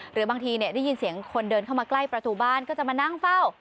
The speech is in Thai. หรือบางทีได้ยินเสียงคนเดินเข้ามาใกล้ประตูบ้านก็จะมานั่งเฝ้า